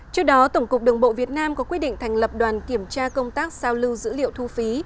trước đó tổng cục đường bộ việt nam có quyết định thành lập đoàn kiểm tra công tác sao lưu dữ liệu thu phí